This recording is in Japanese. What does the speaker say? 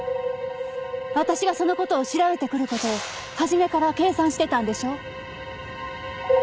私がそのことを調べてくることを初めから計算してたんでしょう？